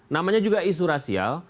namanya juga isu rasial